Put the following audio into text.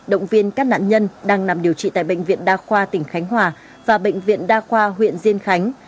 động viên các nạn nhân đang nằm điều trị tại bệnh viện đa khoa tỉnh khánh hòa và bệnh viện đa khoa huyện diên khánh